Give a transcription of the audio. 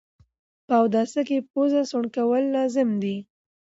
په اوداسه کي پوزه سوڼ کول لازم ده